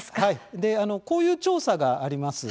こういう調査があります。